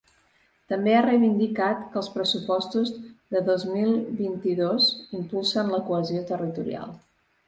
També ha reivindicat que els pressupostos de dos mil vint-i-dos impulsen la cohesió territorial.